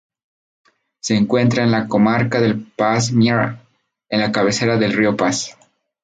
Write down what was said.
Se encuentra en la comarca del Pas-Miera, en la cabecera del río Pas.